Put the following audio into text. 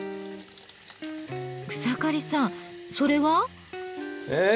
草刈さんそれは？え？